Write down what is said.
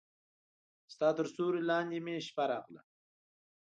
ستا تر سیوري لاندې مې شپه راغله